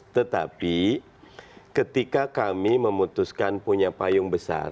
tetapi ketika kami memutuskan punya payung besar